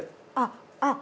あっ。